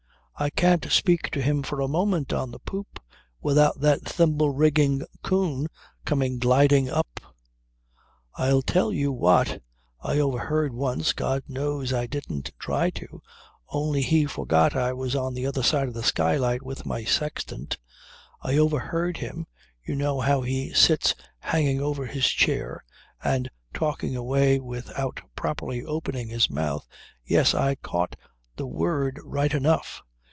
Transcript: I can't speak to him for a minute on the poop without that thimble rigging coon coming gliding up. I'll tell you what. I overheard once God knows I didn't try to only he forgot I was on the other side of the skylight with my sextant I overheard him you know how he sits hanging over her chair and talking away without properly opening his mouth yes I caught the word right enough.